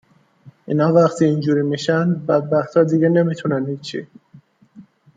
اینا وقتی اینجوری می شن، بدبختا دیگه نمی تونن هیچی